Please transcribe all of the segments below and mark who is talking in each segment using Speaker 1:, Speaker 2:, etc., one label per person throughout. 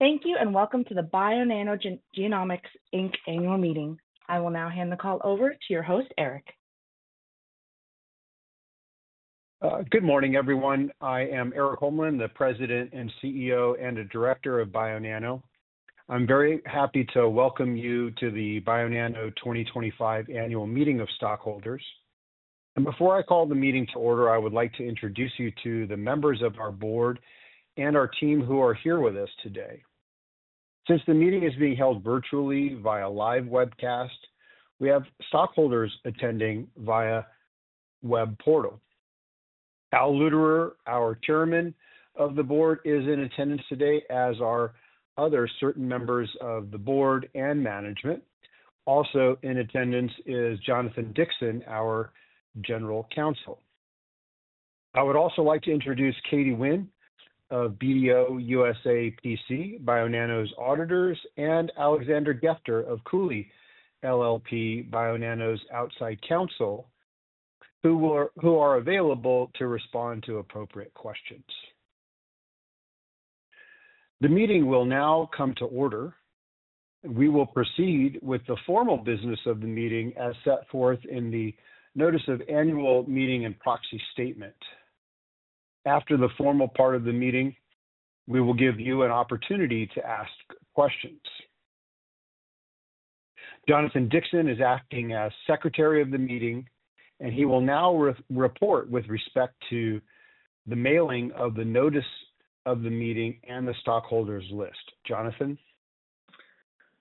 Speaker 1: Thank you, and welcome to the Bionano Genomics annual meeting. I will now hand the call over to your host, Erik.
Speaker 2: Good morning, everyone. I am Erik Holmlin, the President and CEO and Director of Bionano. I'm very happy to welcome you to the Bionano 2025 annual meeting of stockholders. Before I call the meeting to order, I would like to introduce you to the members of our board and our team who are here with us today. Since the meeting is being held virtually via live webcast, we have stockholders attending via web portal. Al Luterer, our Chairman of the Board, is in attendance today, as are other certain members of the board and management. Also in attendance is Jonathan Dixon, our General Counsel. I would also like to introduce Katie Wynn of BDO USA, P.C., Bionano's auditors, and Alexander Gefter of Cooley LLP, Bionano's outside counsel, who are available to respond to appropriate questions. The meeting will now come to order. We will proceed with the formal business of the meeting as set forth in the Notice of Annual Meeting and Proxy Statement. After the formal part of the meeting, we will give you an opportunity to ask questions. Jonathan Dixon is acting as Secretary of the Meeting, and he will now report with respect to the mailing of the Notice of the Meeting and the stockholders' list. Jonathan?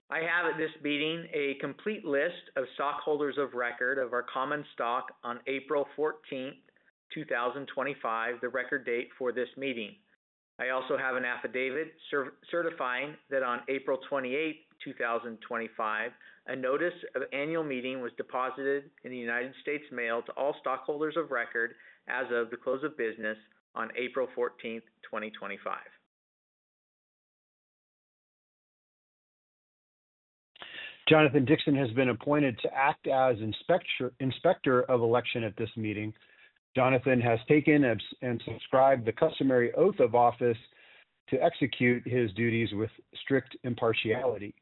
Speaker 3: I have at this meeting a complete list of stockholders of record of our common stock on April 14, 2025, the record date for this meeting. I also have an affidavit certifying that on April 28, 2025, a Notice of Annual Meeting was deposited in the United States Mail to all stockholders of record as of the close of business on April 14, 2025.
Speaker 2: Jonathan Dixon has been appointed to act as Inspector of Election at this meeting. Jonathan has taken and subscribed the customary oath of office to execute his duties with strict impartiality.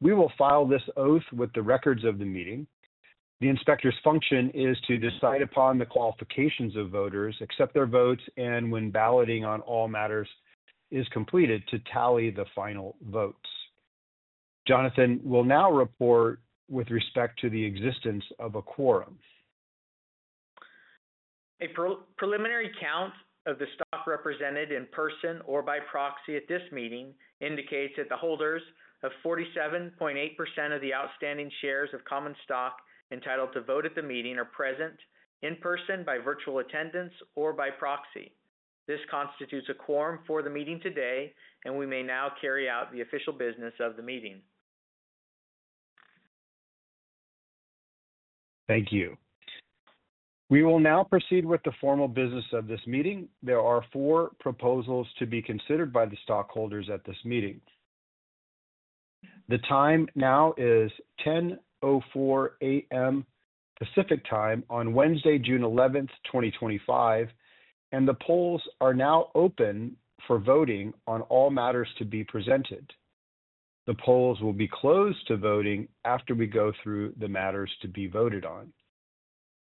Speaker 2: We will file this oath with the records of the meeting. The Inspector's function is to decide upon the qualifications of voters, accept their votes, and when balloting on all matters is completed, to tally the final votes. Jonathan will now report with respect to the existence of a quorum.
Speaker 3: A preliminary count of the stock represented in person or by proxy at this meeting indicates that the holders of 47.8% of the outstanding shares of common stock entitled to vote at the meeting are present in person, by virtual attendance, or by proxy. This constitutes a quorum for the meeting today, and we may now carry out the official business of the meeting.
Speaker 2: Thank you. We will now proceed with the formal business of this meeting. There are four proposals to be considered by the stockholders at this meeting. The time now is 10:04 A.M. Pacific Time on Wednesday, June 11, 2025, and the polls are now open for voting on all matters to be presented. The polls will be closed to voting after we go through the matters to be voted on.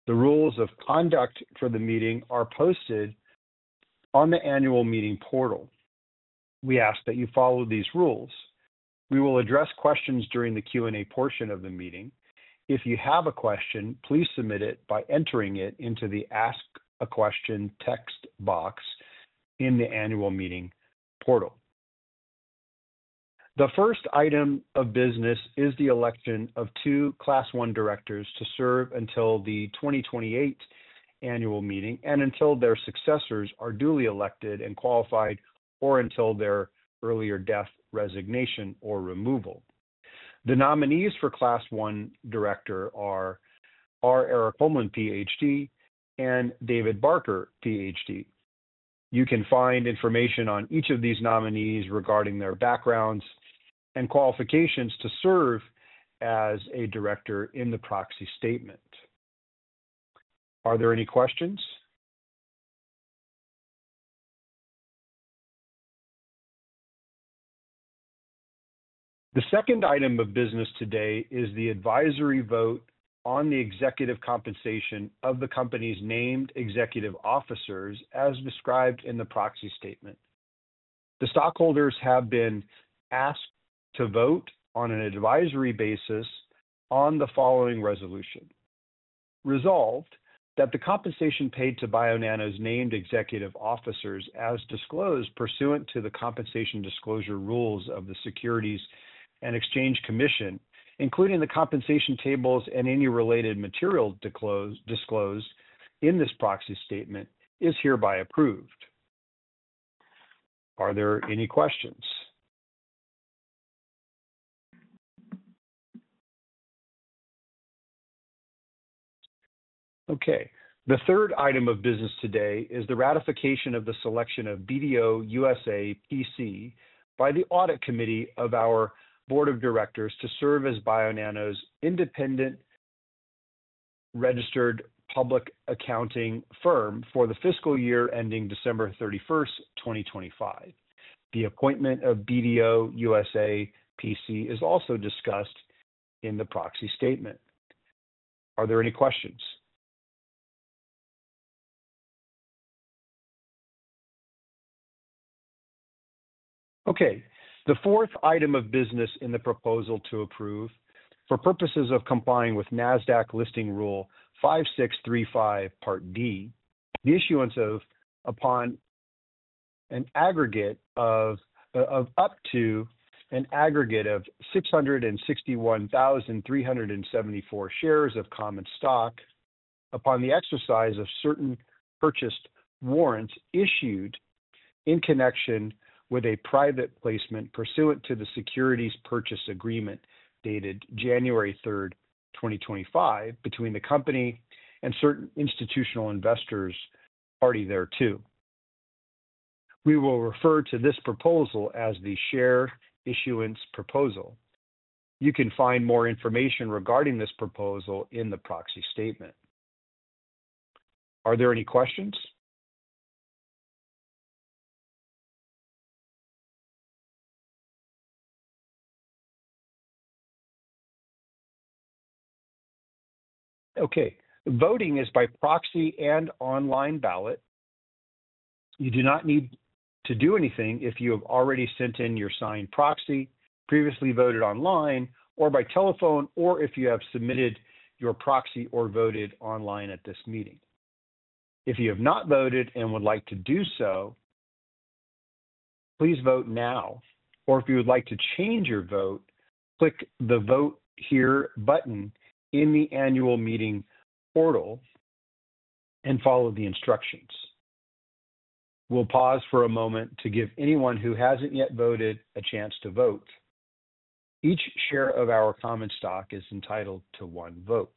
Speaker 2: The rules of conduct for the meeting are posted on the annual meeting portal. We ask that you follow these rules. We will address questions during the Q&A portion of the meeting. If you have a question, please submit it by entering it into the Ask a Question text box in the annual meeting portal. The first item of business is the election of two Class 1 directors to serve until the 2028 annual meeting and until their successors are duly elected and qualified, or until their earlier death, resignation, or removal. The nominees for Class 1 director are R. Erik Holmlin, Ph.D., and David Barker, Ph.D. You can find information on each of these nominees regarding their backgrounds and qualifications to serve as a director in the Proxy Statement. Are there any questions? The second item of business today is the advisory vote on the executive compensation of the company's named executive officers, as described in the Proxy Statement. The stockholders have been asked to vote on an advisory basis on the following resolution: Resolved that the compensation paid to Bionano's named executive officers, as disclosed pursuant to the compensation disclosure rules of the Securities and Exchange Commission, including the compensation tables and any related material disclosed in this Proxy Statement, is hereby approved. Are there any questions? Okay. The third item of business today is the ratification of the selection of BDO USA, P.C. by the Audit Committee of our Board of Directors to serve as Bionano's independent registered public accounting firm for the fiscal year ending December 31, 2025. The appointment of BDO USA, P.C. is also discussed in the Proxy Statement. Are there any questions? Okay. The fourth item of business is the proposal to approve, for purposes of complying with NASDAQ Listing Rule 5635, Part D, the issuance of up to an aggregate of 661,374 shares of common stock upon the exercise of certain purchased warrants issued in connection with a private placement pursuant to the securities purchase agreement dated January 3, 2025, between the company and certain institutional investors, party thereto. We will refer to this proposal as the share issuance proposal. You can find more information regarding this proposal in the Proxy Statement. Are there any questions? Okay. Voting is by proxy and online ballot. You do not need to do anything if you have already sent in your signed proxy, previously voted online or by telephone, or if you have submitted your proxy or voted online at this meeting. If you have not voted and would like to do so, please vote now, or if you would like to change your vote, click the Vote Here button in the annual meeting portal and follow the instructions. We'll pause for a moment to give anyone who hasn't yet voted a chance to vote. Each share of our common stock is entitled to one vote.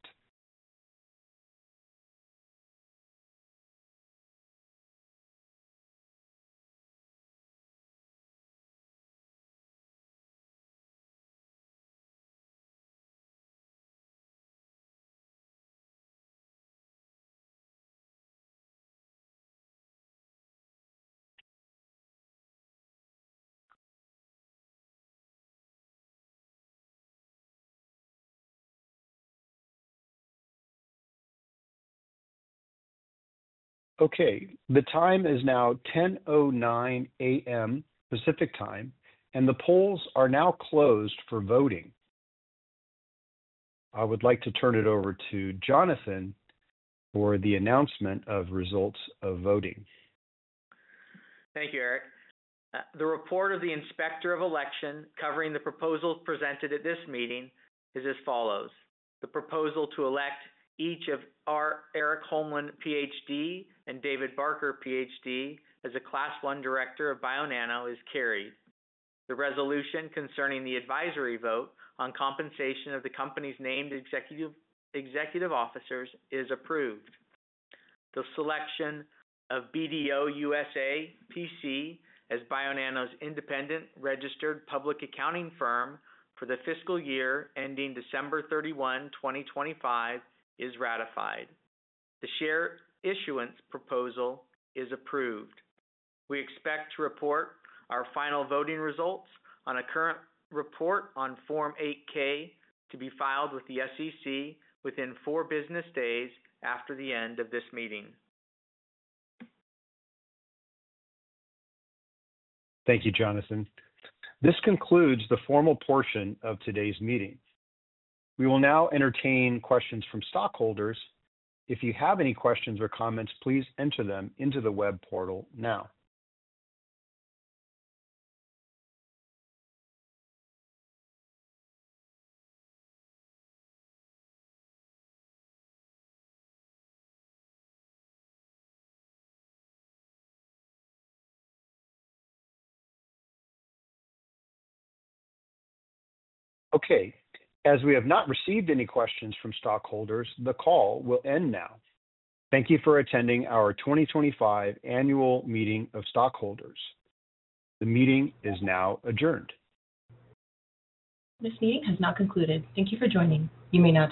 Speaker 2: Okay. The time is now 10:09 A.M. Pacific Time, and the polls are now closed for voting. I would like to turn it over to Jonathan for the announcement of results of voting.
Speaker 3: Thank you, Erik. The report of the Inspector of Election covering the proposals presented at this meeting is as follows: The proposal to elect each of R. Erik Holmlin, Ph.D., and David Barker, Ph.D., as a Class 1 director of Bionano is carried. The resolution concerning the advisory vote on compensation of the company's named executive officers is approved. The selection of BDO USA, P.C. as Bionano's independent registered public accounting firm for the fiscal year ending December 31, 2025, is ratified. The share issuance proposal is approved. We expect to report our final voting results on a current report on Form 8-K to be filed with the SEC within four business days after the end of this meeting.
Speaker 2: Thank you, Jonathan. This concludes the formal portion of today's meeting. We will now entertain questions from stockholders. If you have any questions or comments, please enter them into the web portal now. Okay. As we have not received any questions from stockholders, the call will end now. Thank you for attending our 2025 annual meeting of stockholders. The meeting is now adjourned.
Speaker 1: This meeting has now concluded. Thank you for joining. You may now.